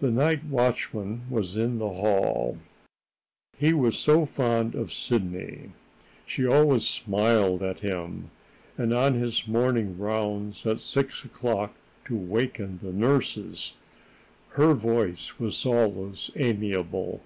The night watchman was in the hall. He was fond of Sidney; she always smiled at him; and, on his morning rounds at six o'clock to waken the nurses, her voice was always amiable.